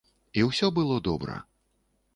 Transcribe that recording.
І ўсё было добра.